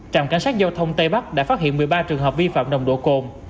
trạm cảnh sát giao thông tây bắc đã phát hiện một mươi ba trường hợp vi phạm nồng độ cồn